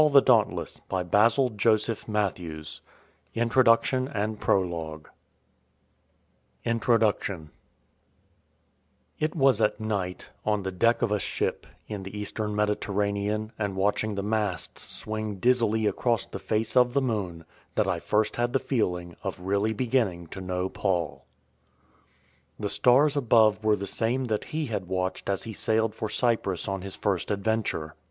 The Cities of Paul's Early Life 117 III The World of Paul's Travels 185 INTRODUCTION IT was at night, on the deck of a ship in the East ern Mediterranean and watching the masts swing dizzily across the face of the moon, that I first had the feehng of really beginning to know Paul. The stars above were the same that he had watched as he sailed for Cyprus on his first adventure.